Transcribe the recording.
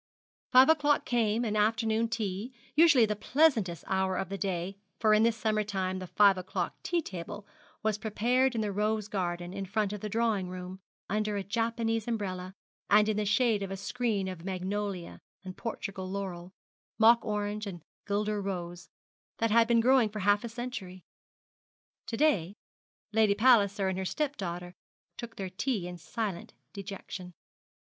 Five o'clock came, and afternoon tea, usually the pleasantest hour of the day; for in this summer time the five o'clock tea table was prepared in the rose garden in front of the drawing room, under a Japanese umbrella, and in the shade of a screen of magnolia and Portugal laurel, mock orange and guelder rose, that had been growing for half a century. To day Lady Palliser and her step daughter took their tea in silent dejection.